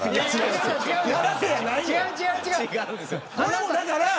違う違う。